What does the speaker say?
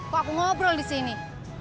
waktu aku ngobrol di sini